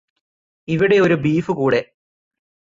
ഇവിടെയൊരു ബീഫ് കൂടെ.